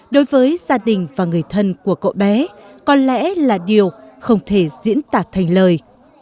đối với gia đình và người thân của cậu bé có lẽ là điều không thể diễn tả thành lời